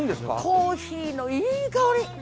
コーヒーのいい香り！